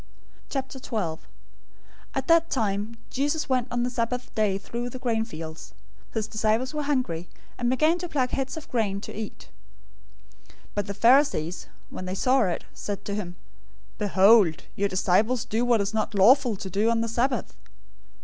012:001 At that time, Jesus went on the Sabbath day through the grain fields. His disciples were hungry and began to pluck heads of grain and to eat. 012:002 But the Pharisees, when they saw it, said to him, "Behold, your disciples do what is not lawful to do on the Sabbath."